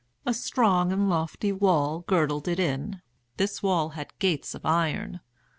A strong and lofty wall girdled it in. This wall had gates of iron.